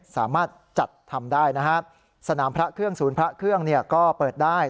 สามารถจัดทำได้นะฮะสนามพระเครื่องศูนย์พระเครื่องเนี่ยก็เปิดได้